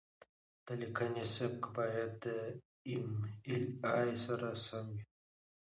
د لیکنې سبک باید د ایم ایل اې سره سم وي.